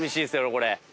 これ。